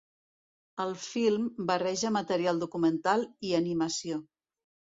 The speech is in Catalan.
El film barreja material documental i animació.